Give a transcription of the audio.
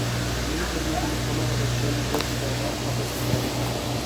ملي ټلویزیون هماغه د شل ګزي بابا قبر ښکارېږي.